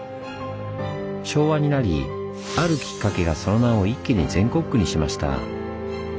昭和になりあるキッカケがその名を一気に全国区にしました。